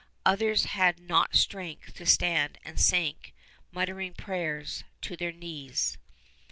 Others had not strength to stand and sank, muttering prayers, to their knees.